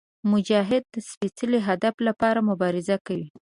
مجاهد د سپېڅلي هدف لپاره مبارزه کوي.